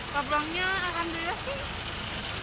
pablangnya alhamdulillah sih